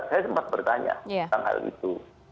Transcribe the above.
saya sempat bertanya tentang hal itu